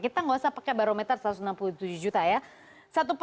kita nggak usah pakai barometer satu ratus enam puluh tujuh juta ya